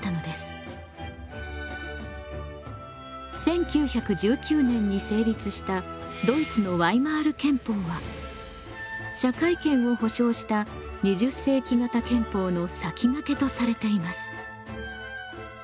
１９１９年に成立したドイツのワイマール憲法は社会権を保障した２０世紀型憲法の先がけとされています。